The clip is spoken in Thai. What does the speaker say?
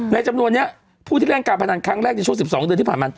จำนวนนี้ผู้ที่เล่นการพนันครั้งแรกในช่วง๑๒เดือนที่ผ่านมา